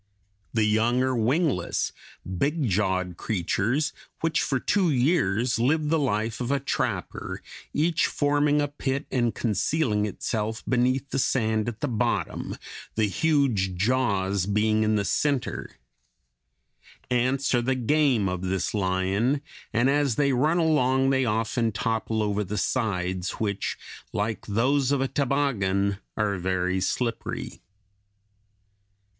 The young are wingless, big jawed creatures, which for two years live the life of a trapper, each forming a pit and concealing itself beneath the sand at the bottom, the huge jaws being in the center. Ants are the game of this lion, and as they run along they often topple over the sides which, like those of a toboggan, are very slippery.